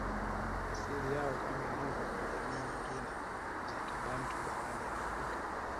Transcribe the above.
Asili yao Kama ilivyo kwa jamii nyingine za Kibantu barani Afrika